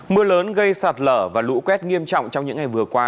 mưa lớn gây sạt lở và lũ quét nghiêm trọng trong những ngày vừa qua